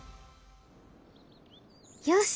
よし！